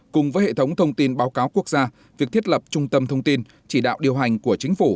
cùng với hệ thống thông tin báo cáo quốc gia việc thiết lập trung tâm thông tin chỉ đạo điều hành của chính phủ